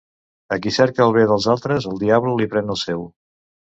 A qui cerca el bé dels altres, el diable li pren el seu.